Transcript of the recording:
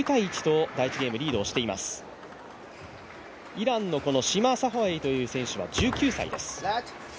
イランのこのシマサファエイという選手は１９歳です。